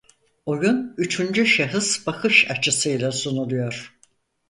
Oyun üçüncü şahıs bakış açısıyla sunuluyor.